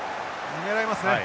狙いますね。